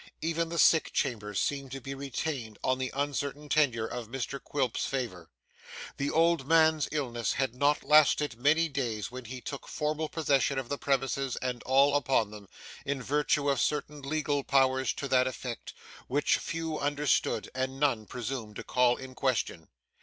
Even the sick chamber seemed to be retained, on the uncertain tenure of Mr Quilp's favour. The old man's illness had not lasted many days when he took formal possession of the premises and all upon them, in virtue of certain legal powers to that effect, which few understood and none presumed to call in question.